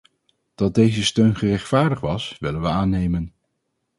Dat deze steun gerechtvaardigd was willen we aannemen.